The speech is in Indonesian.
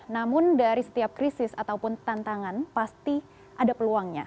namun dari setiap krisis ataupun tantangan pasti ada peluangnya